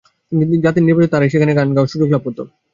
তিনি যাদের নির্বাচন করতেন, তারাই সেখানে গান গাওয়ার সুয়োগ লাভ করত।